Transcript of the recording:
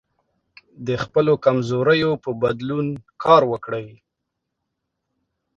د خپلو کمزوریو په بدلون کار وکړئ.